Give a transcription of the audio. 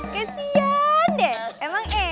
kesian deh emang enak